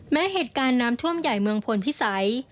เหตุการณ์น้ำท่วมใหญ่เมืองพลพิสัย